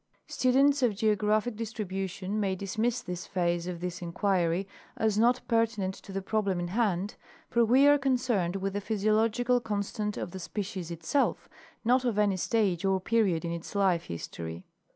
Students of geographic distribution may dismiss this phase of the inquiry as not pertinent to the problem in hand, for we are concerned with the physiological constant of the species itself, not of any stage or period in its life history.